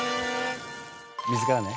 水からね。